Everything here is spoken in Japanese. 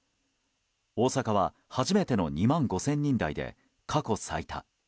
大阪は初めての２万５０００人台で過去最多。